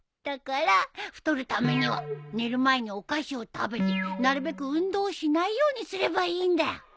だから太るためには寝る前にお菓子を食べてなるべく運動をしないようにすればいいんだよ。